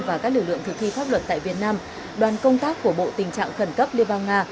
và các lực lượng thực thi pháp luật tại việt nam đoàn công tác của bộ tình trạng khẩn cấp liên bang nga